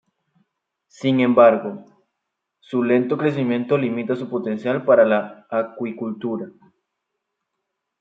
Sin embargo, su lento crecimiento limita su potencial para acuicultura.